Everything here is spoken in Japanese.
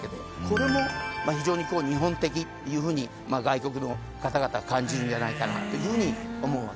これもまあ非常に日本的というふうに外国の方々は感じるんじゃないかなというふうに思うわけです。